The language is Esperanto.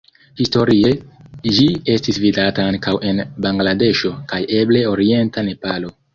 Historie ĝi estis vidata ankaŭ en Bangladeŝo kaj eble orienta Nepalo.